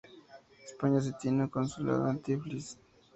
España sí tiene un consulado en Tiflis.